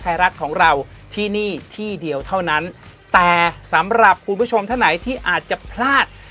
ไทยรัฐของเราที่นี่ที่เดียวเท่านั้นแต่สำหรับคุณผู้ชมท่านไหนที่อาจจะพลาด